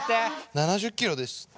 ７０キロです。